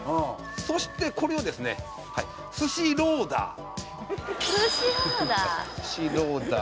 そして、これをですねすしローダー。